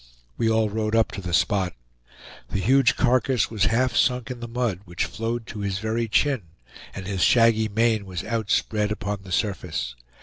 We all rode up to the spot. The huge carcass was half sunk in the mud, which flowed to his very chin, and his shaggy mane was outspread upon the surface.